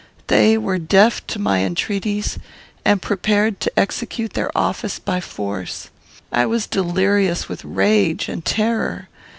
They were deaf to my entreaties, and prepared to execute their office by force. I was delirious with rage and terror.